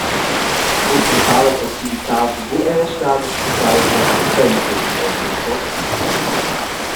Fussen talas activitads buc era stadas pusseivlas senza in onn da sport?